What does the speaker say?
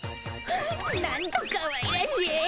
なんとかわいらしい！